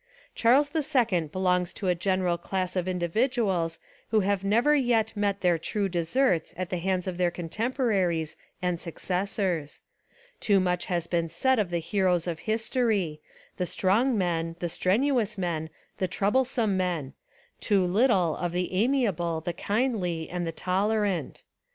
Charles II belongs to a general class of indi viduals who have never yet met their true deserts at the hands of their contemporaries and successors. Too much has been said of the heroes of history, — the strong men, the strenuous men, the troublesome men; too little of the amiable, the kindly, and the tolerant.